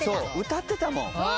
歌ってたもん。